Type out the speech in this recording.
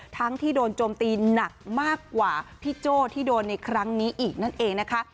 ที่โดนโจมตีหนักมากกว่าพี่โจ้ที่โดนในครั้งนี้อีกนั่นเองนะคะ